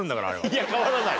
いや変わらない。